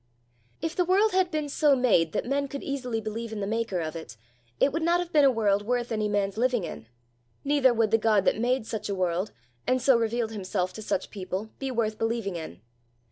If the world had been so made that men could easily believe in the maker of it, it would not have been a world worth any man's living in, neither would the God that made such a world, and so revealed himself to such people, be worth believing in.